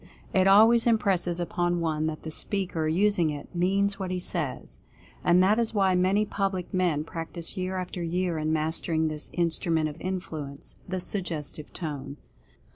It always impresses upon one that the speaker using it means what he says. And that is why many public men practice year after year in mastering this Instru ment of Influence — the Suggestive Tone.